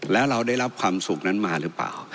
แล้วเราได้รับความสุขนั้นมาหรือเปล่า